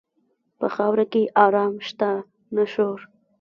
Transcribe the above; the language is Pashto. په خاوره کې آرام شته، نه شور.